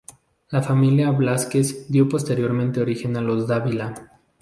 La familia Blázquez dio posteriormente origen a los Dávila.